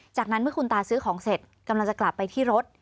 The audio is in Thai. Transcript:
จากนั้นเมื่อคุณตาซื้อของเสร็จกำลังจะกลับไปที่รถ